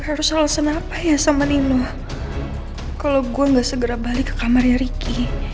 harus alasan apa ya sama nino kalau gue nggak segera balik ke kamarnya ricky